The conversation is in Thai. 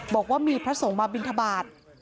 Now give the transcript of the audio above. บอกว่ามีพระสงฆ์มาบินทบาท